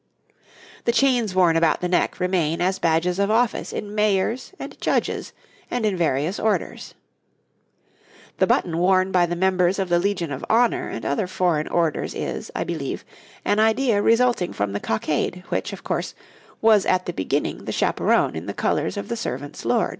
The chains worn about the neck remain as badges of office in Mayors and Judges and in various Orders. The button worn by the members of the Legion of Honour and other foreign Orders is, I believe, an idea resulting from the cockade, which, of course, was at the beginning the chaperon in the colours of the servant's lord.